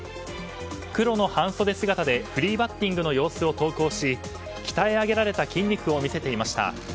黒の半そで姿でフリーバッティングの様子を投稿し鍛え上げられた筋肉を見せていました。